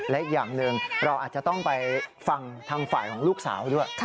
และอีกอย่างหนึ่งเราอาจจะต้องไปฟังทางฝ่ายของลูกสาวด้วย